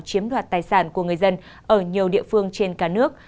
chiếm đoạt tài sản của người dân ở nhiều địa phương trên cả nước